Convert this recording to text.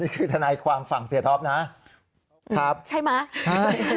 คือทนายความฝั่งเสียท็อปนะครับใช่ไหมใช่